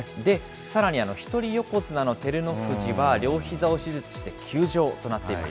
さらに、一人横綱の照ノ富士は両ひざを手術して休場となっています。